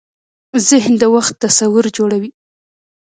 ذهن د وخت تصور جوړوي.